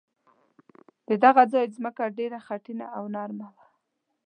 د دغه ځای ځمکه ډېره خټینه او نرمه وه.